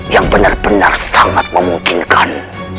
yang benar benar sangat memungkinkan